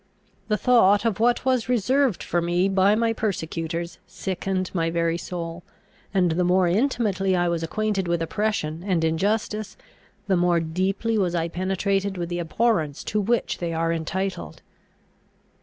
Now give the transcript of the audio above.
The thought of what was reserved for me by my persecutors sickened my very soul; and the more intimately I was acquainted with oppression and injustice, the more deeply was I penetrated with the abhorrence to which they are entitled.